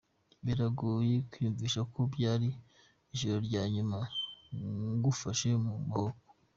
Biragoye kwiyumvisha ko byari ijoro rya nyuma ngufashe mu maboko.